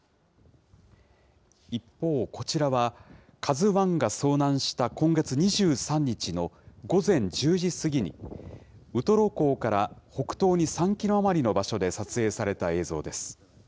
一方こちらは、ＫＡＺＵＩが遭難した今月２３日の午前１０時過ぎに、ウトロ港から北東に３キロ余りの場所で撮影された映像です。